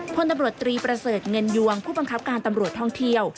พลตำรวจตรีประเสริฐเงินยวงผู้บังคับการตำรวจท่องเที่ยว